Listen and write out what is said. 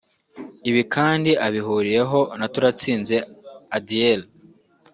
Ibi kandi abihuriyeho na Turatsinze Adiel